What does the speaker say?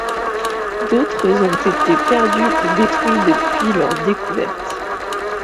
D’autres ont été perdus ou détruits depuis leur découverte.